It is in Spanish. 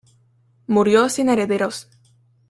Murió sin herederos.